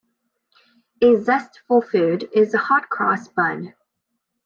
A zestful food is the hot-cross bun.